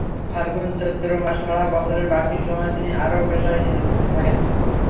ফাল্গুন-চৈত্র মাস ছাড়া বছরের বাকি সময় তিনি অন্য পেশায় নিয়োজিত থাকেন।